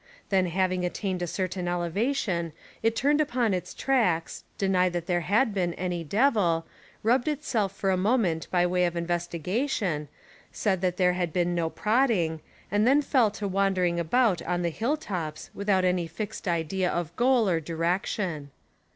Then having at tained a certain elevation, it turned upon its tracks, denied that there had been any Devil, rubbed itself for a moment by way of inves tigation, said that there had been no prodding, and then fell to wandering about on the hill tops without any fixed idea of goal or direc tion.